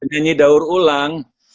nyanyi daur ulang